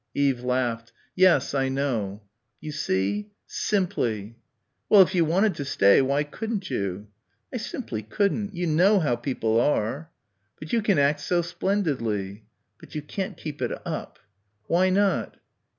Eve laughed. "Yes, I know." "You see? Simply." "Well, if you wanted to stay, why couldn't you?" "I simply couldn't; you know how people are." "But you can act so splendidly." "But you can't keep it up." "Why not?"